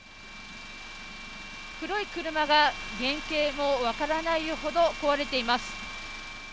黒い車が原形も分からないほど壊れています。